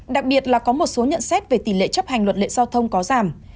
đặc biệt là có một số nhận xét về tỷ lệ chấp hành luật lệ giao thông có giảm